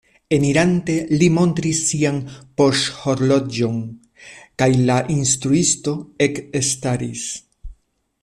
Enirante li montris sian poŝhorloĝon kaj la instruisto ekstaris.